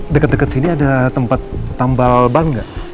deket deket sini ada tempat tambal ban gak